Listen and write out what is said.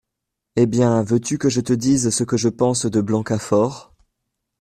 Eh bien, veux-tu que je te dise ce que je pense de Blancafort ?…